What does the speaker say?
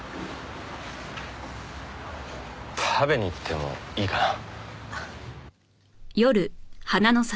食べに行ってもいいかな？